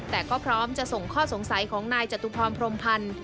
แต่ก็พร้อมจะส่งข้อสงสัยของนายจตุพรพรมพันธ์